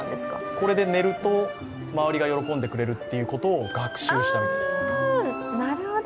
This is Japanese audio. これで寝ると、周りが喜んでくれることを学習したそうです。